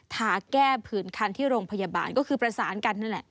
ขาแก้ผืนคันที่โรงพยาบาลก็คือประสานกันนั่นแหละ